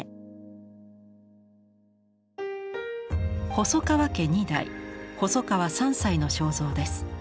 細川家二代細川三斎の肖像です。